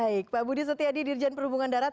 baik pak budi setiadi dirjen perhubungan darat